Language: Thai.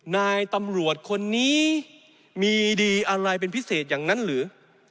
นายตำรวจคนนี้มีดีอะไรเป็นพิเศษอย่างนั้นหรือ